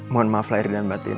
mohon maaf lahir dan batin